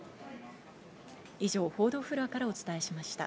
以上、報道フロアからお伝えしました。